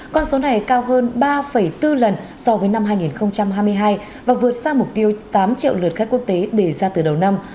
con số này cao hơn ba bốn lần so với năm hai nghìn hai mươi hai và vượt xa mục tiêu tám triệu lượt khách quốc tế đề ra từ đầu năm